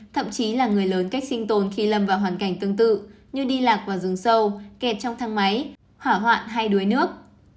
thậm chí là người lớn cách sinh tồn khi lâm vào hoàn cảnh tương tự như đi lạc vào rừng sâu kẹt trong thang máy hỏa hoạn hay đuối nước